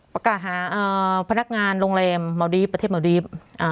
ประกาศหาพนักงานโรงแรมเมาดีฟประเทศเมาดีฟ